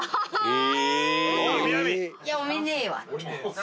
え？